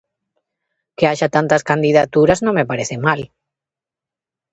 Que haxa tantas candidaturas non me parece mal.